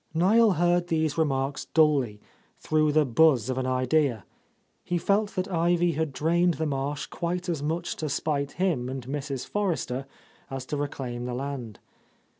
Niel heard these remarks dully, through the buzz of an idea. He felt that Ivy had drained the marsh quite as much to spite him and Mrs. Forrester as to reclaim the land.